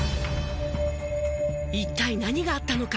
一体何があったのか？